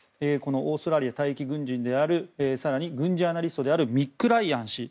オーストラリア退役軍人であり更に軍事アナリストであるミック・ライアン氏。